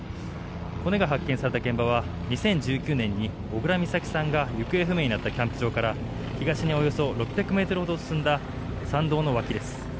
骨が発見された現場は２０１９年に小倉美咲さんが行方不明になったキャンプ場から東におよそ６００ｍほど進んだ山道の脇です。